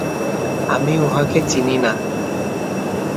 আমি উহাকে চিনি না!